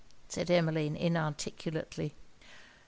said Emmeline, inarticulately.